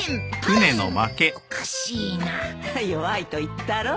弱いと言ったろ。